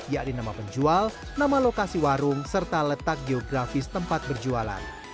yakni nama penjual nama lokasi warung serta letak geografis tempat berjualan